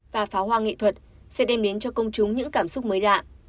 và pháo hoa nghệ thuật sẽ đem đến cho công chúng những cảm xúc mới lạ